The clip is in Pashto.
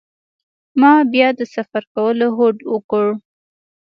ما بیا د سفر کولو هوډ وکړ.